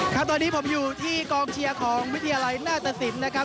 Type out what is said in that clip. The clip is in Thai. ครับตอนนี้ผมอยู่ที่กองเชียร์ของวิทยาลัยหน้าตสินนะครับ